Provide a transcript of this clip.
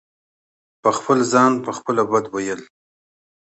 په خپل ځان په خپله بد وئيل